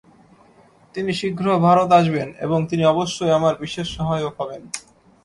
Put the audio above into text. তিনি শীঘ্র ভারতে আসবেন, এবং তিনি অবশ্যই আমার বিশেষ সহায়ক হবেন।